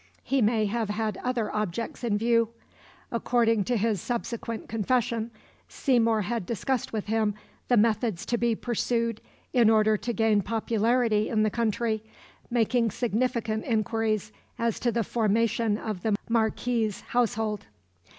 He may have had other objects in view. According to his subsequent confession, Seymour had discussed with him the methods to be pursued in order to gain popularity in the country, making significant inquiries as to the formation of the marquis's household.